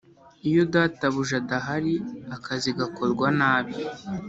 Iyo databuja adahari akazi gakorwa nabi